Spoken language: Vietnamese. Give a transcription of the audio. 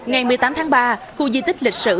ngày một mươi tám tháng ba khu di tích lịch sử